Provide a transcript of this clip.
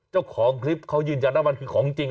เจ้าของคลิปเขายืนยันว่ามันคือของจริง